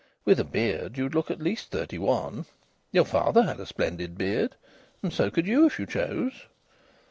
With a beard you'd look at least thirty one. Your father had a splendid beard, and so could you if you chose."